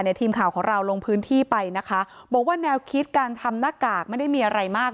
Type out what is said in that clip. ทีมข่าวของเราลงพื้นที่ไปนะคะบอกว่าแนวคิดการทำหน้ากากไม่ได้มีอะไรมาก